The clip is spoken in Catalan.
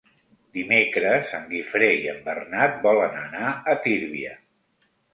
Dimecres en Guifré i en Bernat volen anar a Tírvia.